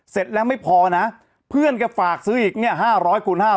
เสร็จแล้วไม่พอนะเพื่อนแกฝากซื้ออีกเนี่ย๕๐๐คูณ๕๐๐